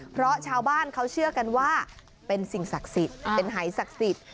เพราะชาวบ้านเขาเชื่อกันว่าเป็นสิ่งศักดิ์สิทธิ์เป็นหายศักดิ์สิทธิ์